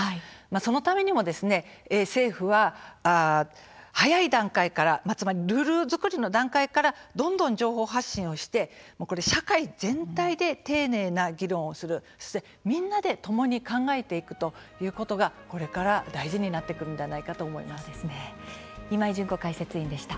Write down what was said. そのためにも政府は早い段階からつまりルール作りの段階からどんどん情報発信をして社会全体で丁寧な議論をするそしてみんなでともに考えていくことがこれから大事になってくるのでは今井純子解説委員でした。